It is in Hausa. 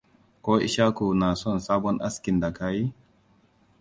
Ko Ishaku na son sabon askin da ka yi?